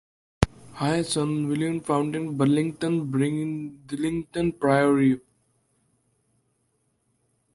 His son William founded Burlington Bridlington Priory.